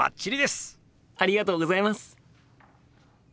ありがとうございます！